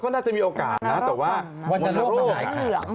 ก็น่าจะมีโอกาสนะแต่ว่าวันโรคมันหายขาด